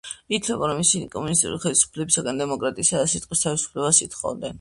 ითვლება, რომ ისინი კომუნისტური ხელისუფლებისგან დემოკრატიასა და სიტყვის თავისუფლებას ითხოვდნენ.